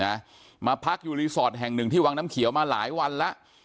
นะมาพักอยู่รีสอร์ทแห่งหนึ่งที่วังน้ำเขียวมาหลายวันแล้ว